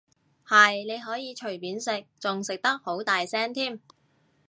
係，你可以隨便食，仲食得好大聲添